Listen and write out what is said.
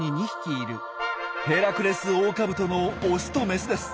ヘラクレスオオカブトのオスとメスです。